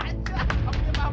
masih ada kecoh